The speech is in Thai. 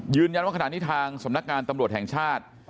ยืนยันว่าขณะนี้ทางสำนักงานตำรวจแห่งชาติ